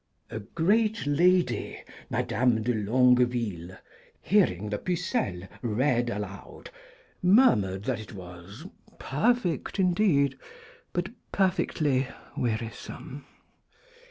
A great lady, Madame de Longveille, hearing the 'Pucellé read aloud, murmured that it was 'perfect indeed, but perfectly wearisome.'